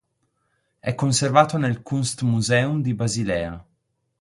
È conservato nel Kunstmuseum di Basilea.